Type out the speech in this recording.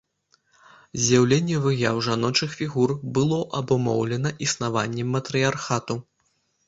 З'яўленне выяў жаночых фігур было абумоўлена існаваннем матрыярхату.